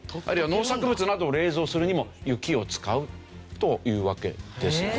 あるいは農作物などを冷蔵するにも雪を使うというわけです。